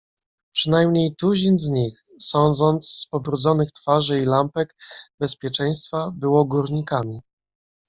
"Przynajmniej tuzin z nich, sądząc z pobrudzonych twarzy i lampek bezpieczeństwa, było górnikami."